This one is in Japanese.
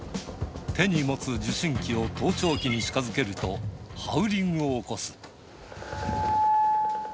手に持つ受信機を盗聴器に近づけると、ハウリングを起こす。